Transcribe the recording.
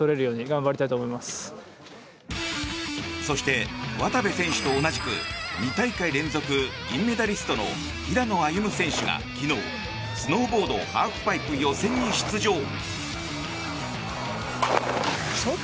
そして、渡部選手と同じく２大会連続銀メダリストの平野歩夢選手が昨日スノーボードハーフパイプ予選に出場。